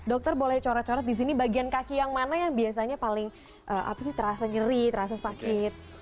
dokter boleh coret coret di sini bagian kaki yang mana yang biasanya paling apa sih terasa nyeri terasa sakit